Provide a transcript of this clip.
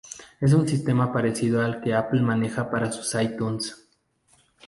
Es un sistema parecido al que Apple maneja para sus iTunes.